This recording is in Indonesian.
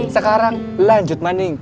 sekarang lanjut maning